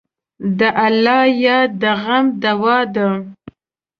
د الله یاد د غم دوا ده.